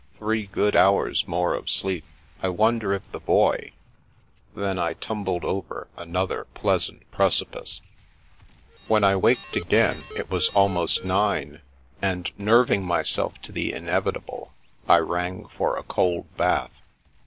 "Three good hours more of sleep. I wonder if the Boy *' Then I tumbled over another pleasant precipice. When I waked again, it was almost nine, and (I 304 The Princess Passes nerving myself to the inevitable, I rang for a cold bath.